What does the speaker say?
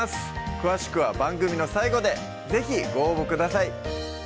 詳しくは番組の最後で是非ご応募ください